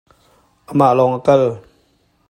Amah lawng a kal.